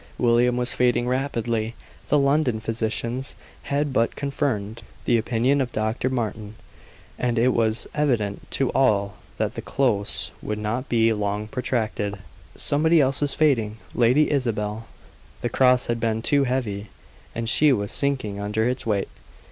William was fading rapidly. The London physicians had but confirmed the opinion of Dr. Martin, and it was evident to all that the close would not be long protracted. Somebody else was fading Lady Isabel. The cross had been too heavy, and she was sinking under its weight.